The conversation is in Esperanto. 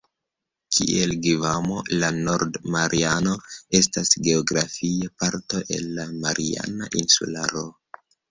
Kiel Gvamo, la Nord-Marianoj estas geografie parto el la Mariana insularo.